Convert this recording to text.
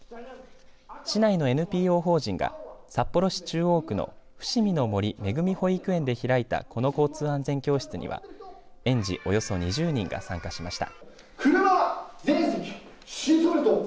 市内のＮＰＯ法人が札幌市中央区のふしみの森めぐみ保育園で開いたこの交通安全教室には園児およそ２０人が参加しました。